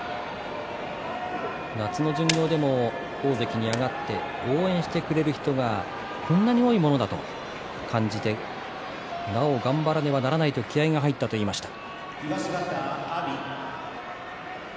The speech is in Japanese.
夏の巡業でも大関に上がっても応援してくれる人がこんなに多いものだと感じてなお頑張らねばならないと気合いが入ったと言っていました。